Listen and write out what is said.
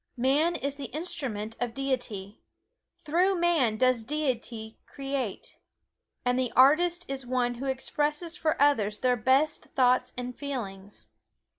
Man is the instrument of Deity through man does Deity create. And the artist is one who expresses for others their best thoughts and feelings.